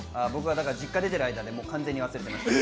実家出てる間で完全に忘れてました。